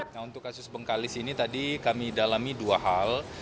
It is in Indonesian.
nah untuk kasus bengkalis ini tadi kami dalami dua hal